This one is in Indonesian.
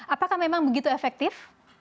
apakah memang begitu efektif